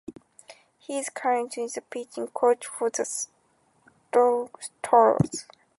He is currently the pitching coach for the Tucson Toros.